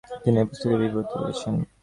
তিনি এই পুস্তকে বিবৃত করেছেন।